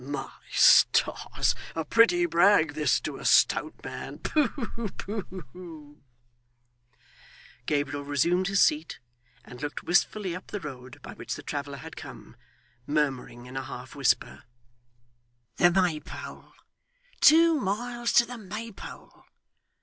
My stars! a pretty brag this to a stout man pooh, pooh!' Gabriel resumed his seat, and looked wistfully up the road by which the traveller had come; murmuring in a half whisper: 'The Maypole two miles to the Maypole.